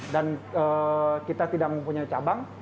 dan kita tidak mempunyai cabang